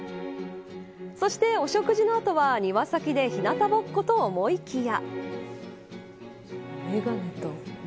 そして、お食事の後は庭先で日なたぼっこと思いきや。